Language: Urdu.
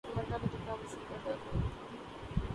ہم اللہ کا جتنا بھی شکر ادا کریں وہ کم ہے